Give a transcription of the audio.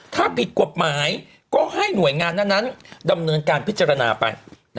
ถ้าผิดกฎหมายก็ให้หน่วยงานนั้นดำเนินการพิจารณาไป